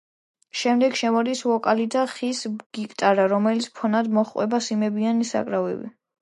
შემდეგ შემოდის ვოკალი და ბას-გიტარა, რომელსაც ფონად მოჰყვება სიმებიანი საკრავები.